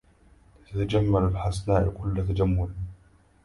تتجمل الحسناء كل تجمل